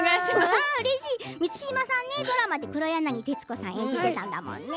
満島さんにドラマで黒柳徹子さんを演じたのよね。